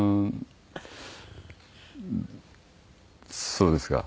そうですか。